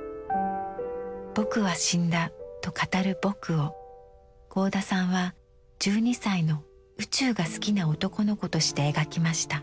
「ぼくはしんだ」と語る「ぼく」を合田さんは１２歳の宇宙が好きな男の子として描きました。